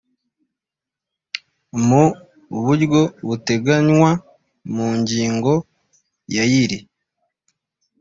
mu buryo buteganywa mu ngingo ya y iri